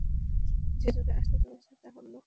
যে যুগ আসতে চলেছে তা হলো কলিযুগ।